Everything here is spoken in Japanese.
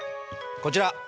こちら。